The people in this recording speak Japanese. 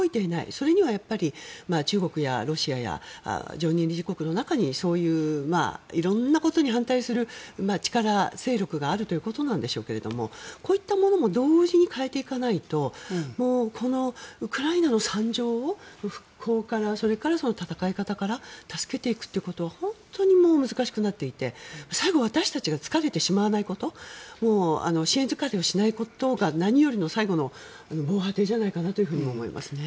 それにはやっぱり中国やロシアや常任理事国の中にそういう色んなことに反対する力、勢力があるということなんでしょうけどこういったものも同時に変えていかないとこのウクライナの惨状をそれから戦い方から助けていくということは本当に難しくなっていて最後私たちが疲れてしまわないこと支援疲れをしないことが何よりの最後の防波堤じゃないかなと思いますね。